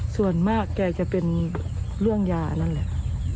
ส่วนมากแกจะเป็นเรื่องยานั่นแหละ